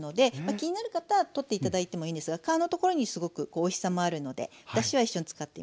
気になる方は取って頂いてもいいんですが皮のところにすごくおいしさもあるので私は一緒に使っています。